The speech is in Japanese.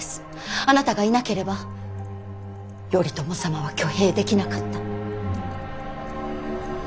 あなたがいなければ頼朝様は挙兵できなかった。